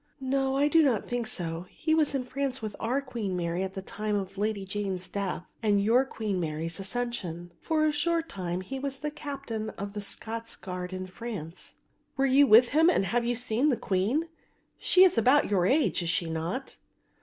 "No, I do not think so; he was in France with our Queen Mary at the time of the Lady Jane's death and your Queen Mary's accession: for a short time he was a captain in the Scots Guard in France." "Were you with him and have you seen the Queen? She is about your age, is she not?"